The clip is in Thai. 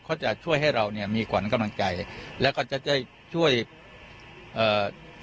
เขาจะช่วยให้เราเนี่ยมีขวัญกำลังใจแล้วก็จะช่วยเอ่อ